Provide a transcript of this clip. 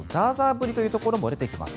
降りというところも出てきます。